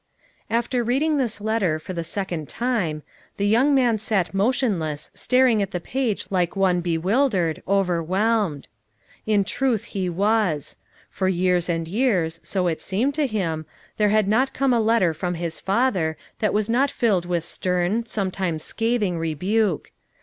After reading this letter for the second time, the young man sat motionless staring at the page like one bewildered, overwhelmed. In truth he was; for years and years, so it seemed to him, there had not come a letter from his 348 FOUR MOTHERS AT CHAUTAUQUA father that was not filled with stern, sometimes scathing rebuke.